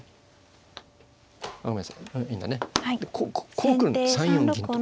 こう来るの３四銀と。